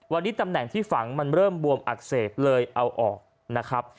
วันนี้ตำแหน่งที่ฝังมันเริ่มบวมอักเสบเลยเอาออกนะครับ